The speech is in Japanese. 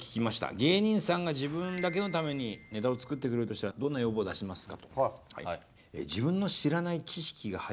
芸人さんが自分だけのためにネタを作ってくれるとしたらどんな要望を出しますか。